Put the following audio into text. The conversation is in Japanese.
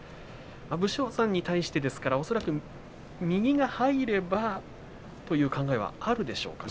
武将山に対して、ですから恐らく右が入ればという考えはあるでしょうか。